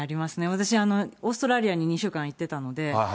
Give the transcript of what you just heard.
私、オーストラリアに２週間行ってたので。